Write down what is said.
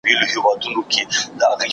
الله ته به راڅخه راضي سې.